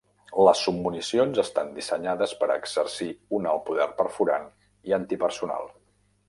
Les submunicions estan dissenyades per exercir un alt poder perforant i antipersonal.